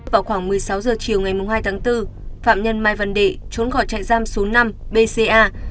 vào khoảng một mươi sáu h chiều ngày hai tháng bốn phạm nhân mai văn đệ trốn khỏi trại giam số năm bca